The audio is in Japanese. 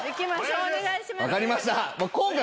お願いします。